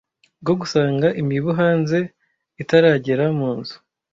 bwo gusanga imibu hanze itaragera mu nzu".